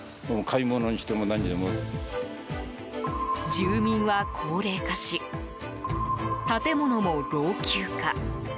住民は高齢化し建物も老朽化。